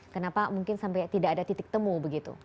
kenapa mungkin sampai tidak ada titik temu begitu